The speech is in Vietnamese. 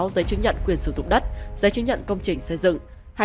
một hai trăm sáu mươi sáu giấy chứng nhận quyền sử dụng đất giấy chứng nhận công trình xây dựng